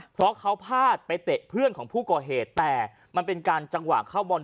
เพราะเขาพลาดไปเตะเพื่อนของผู้ก่อเหตุแต่มันเป็นการจังหวะเข้าบอล